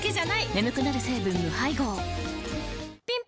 眠くなる成分無配合ぴん